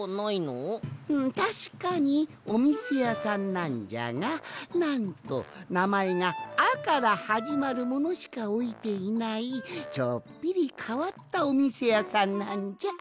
んたしかにおみせやさんなんじゃがなんとなまえが「あ」からはじまるものしかおいていないちょっぴりかわったおみせやさんなんじゃ。